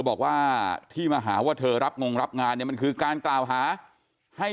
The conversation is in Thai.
บอกว่าที่มาหาว่าเธอรับงงรับงานเนี่ยมันคือการกล่าวหาให้